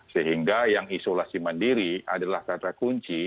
sehingga yang isolasi mandiri adalah kata kunci